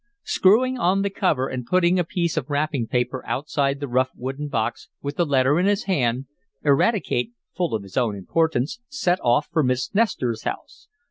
Screwing on the cover, and putting a piece of wrapping paper outside the rough, wooden box, with the letter in his hand, Eradicate, full of his own importance, set off for Miss Nestor's house.